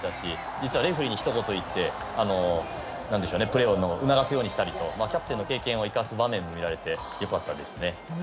実はレフェリーにひと言言ってプレーを促すようにしたりとキャプテンの経験を生かす場面も見られてよかったですね。